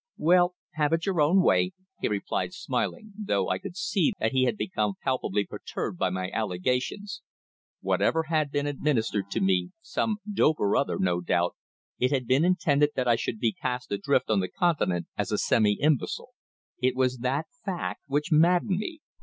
"Well, have it your own way," he replied smiling, though I could see that he had become palpably perturbed by my allegations. Whatever had been administered to me some dope or other, no doubt it had been intended that I should be cast adrift on the Continent as a semi imbecile. It was that fact which maddened me.